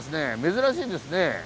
珍しいですね。